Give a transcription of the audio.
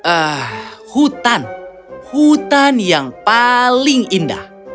ah hutan hutan yang paling tua